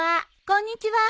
こんにちは。